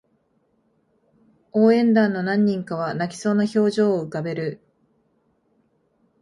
応援団の何人かは泣きそうな表情を浮かべる